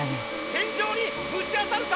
天井にぶち当たるか？